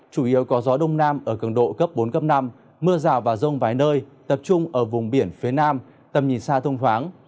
chủ yếu có gió đông nam ở cường độ cấp bốn cấp năm mưa rào và rông vài nơi tập trung ở vùng biển phía nam tầm nhìn xa thông thoáng